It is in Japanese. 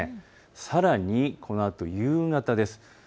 さらにこのあと、夕方です。